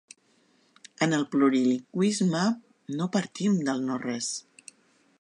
En el plurilingüisme no partim del no res.